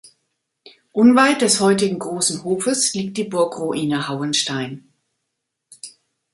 Unweit des heutigen großen Hofes liegt die Burgruine Hauenstein.